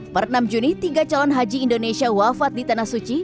per enam juni tiga calon haji indonesia wafat di tanah suci